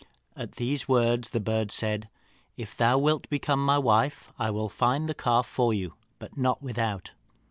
At these words the bird said, 'If thou wilt become my wife I will find the calf for you, but not without.'